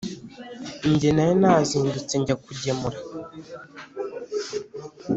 . Nge nari nazindutse njya kugemura